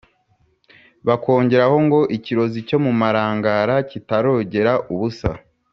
bakongeraho ngo "ikirozi cyo mu marangara kitarogera ubusa